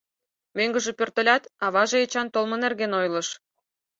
Мӧҥгыжӧ пӧртылят, аваже Эчан толмо нерген ойлыш.